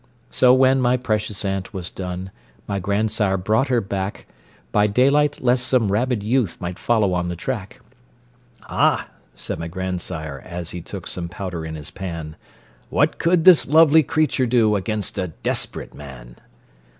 So, when my precious aunt was done, My grandsire brought her back (By daylight, lest some rabid youth Might follow on the track); "Ah!" said my grandsire, as he shook Some powder in his pan, "What could this lovely creature do Against a desperate man!"